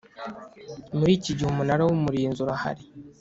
muri iki gihe Umunara w Umurinzi urahari